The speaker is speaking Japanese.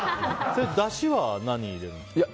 だしは何入れるんですか？